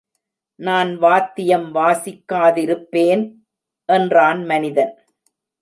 நான் வாத்தியம் வாசிக்காதிருப்பேன்! என்றான் மனிதன்.